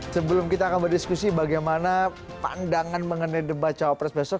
sebelum kita akan berdiskusi bagaimana pandangan mengenai debat cawapres besok